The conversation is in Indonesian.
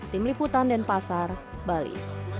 tim liputan dan pasar bali